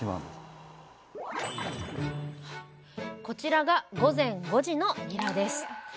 こちらが午前５時のニラです。